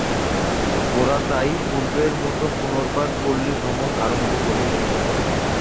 গোরা তাই পূর্বের মতো পুনর্বার পল্লীভ্রমণ আরম্ভ করিল।